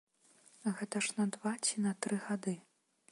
Гэта ж на два ці на тры гады.